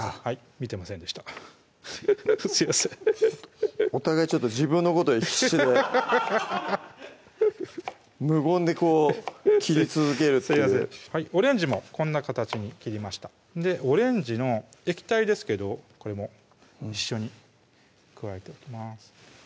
見てませんでしたフフフッすいませんお互い自分のことに必死で無言でこう切り続けるっていうすいませんオレンジもこんな形に切りましたオレンジの液体ですけどこれも一緒に加えておきます